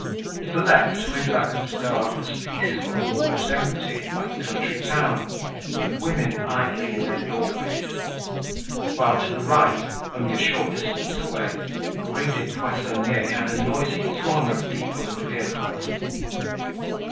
To the left Rue de la Goutte d'Or was peaceful and almost empty, like a country town with women idling in their doorways. While, to the right, only a short distance away, Rue des Poissonniers had a noisy throng of people and vehicles.